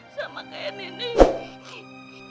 sama kayak nenek